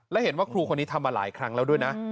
และเห็นว่าครูคนนี้ทำมาหลายครั้งแล้วด้วยนะ